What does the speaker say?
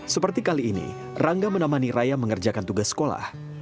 seperti kali ini rangga menemani raya mengerjakan tugas sekolah